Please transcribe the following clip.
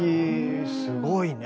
すごいね。